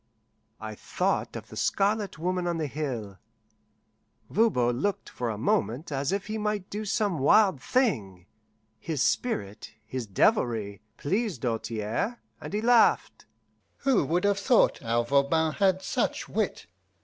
I thought of the Scarlet Woman on the hill. Voban looked for a moment as if he might do some wild thing. His spirit, his devilry, pleased Doltaire, and he laughed. "Who would have thought our Voban had such wit?